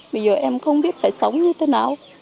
bây giờ em không biết phải sống như thế nào